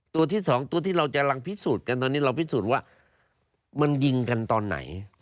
ตัวที่สองตัวที่เราจะรังพิสูจน์กันตอนนี้เราพิสูจน์ว่ามันยิงกันตอนไหน